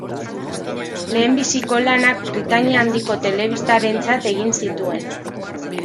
Lehenbiziko lanak Britania Handiko telebistarentzat egin zituen.